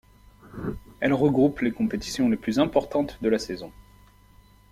Elle regroupe les compétitions les plus importantes de la saison.